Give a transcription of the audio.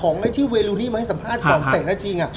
ในที่เวลูนี้มาให้สัมภาษณ์คล่องเตะจริง